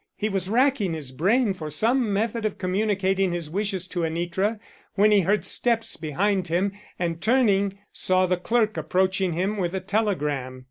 He was racking his brain for some method of communicating his wishes to Anitra, when he heard steps behind him, and, turning, saw the clerk approaching him with a telegram.